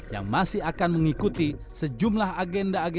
yang masih akan mengikuti sejumlah agenda agenda